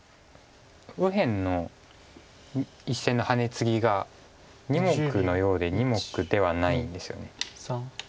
右辺の１線のハネツギが２目のようで２目ではないんですよね。